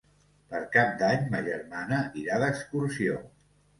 Per Cap d'Any ma germana irà d'excursió.